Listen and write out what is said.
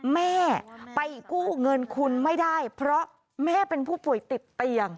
แม่ไปกู้เงินคุณไม่ได้เพราะแม่เป็นผู้ป่วยติดเตียง